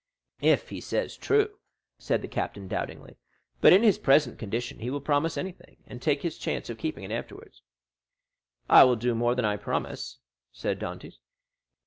"If he says true," said the captain doubtingly. "But in his present condition he will promise anything, and take his chance of keeping it afterwards." "I will do more than I promise," said Dantès.